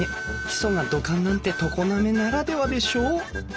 基礎が土管なんて常滑ならではでしょ？」